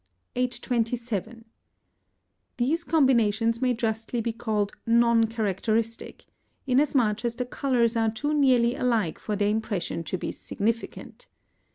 827. These combinations may justly be called non characteristic, inasmuch as the colours are too nearly alike for their impression to be significant.